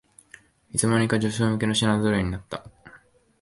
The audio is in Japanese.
いつの間にか女性向けの品ぞろえになった